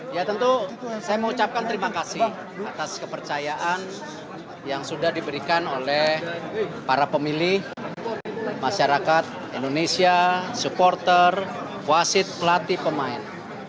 ya tentu saya mengucapkan terima kasih atas kepercayaan yang sudah diberikan oleh para pemilih masyarakat indonesia supporter wasit pelatih pemain